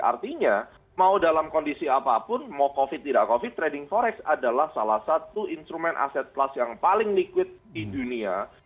artinya mau dalam kondisi apapun mau covid tidak covid trading forex adalah salah satu instrumen aset plus yang paling liquid di dunia